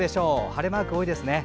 晴れマーク多いですね。